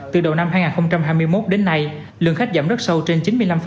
từ đầu năm hai nghìn hai mươi một đến nay lượng khách giảm rất sâu trên chín mươi năm